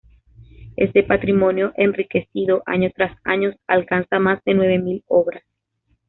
Este patrimonio, enriquecido año tras año, alcanza más de nueve mil obras.